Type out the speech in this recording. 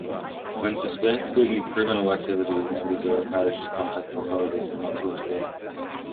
When suspecting criminal activities, members are encouraged to contact authorities and not to intervene.